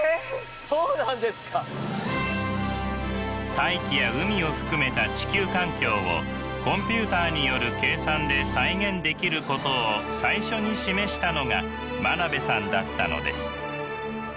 大気や海を含めた地球環境をコンピューターによる計算で再現できることを最初に示したのが真鍋さんだったのです。